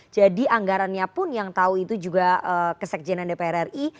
jadi anggarannya pun yang tahu itu juga kesekjenan dpr ri